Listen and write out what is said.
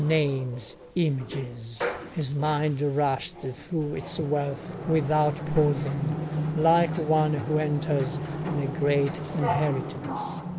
Names! Images!—his mind rushed through its wealth without pausing, like one who enters on a great inheritance.